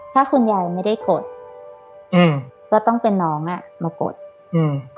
ถ้าคุณยายไม่ได้กดอืมก็ต้องเป็นน้องอ่ะมากดอืม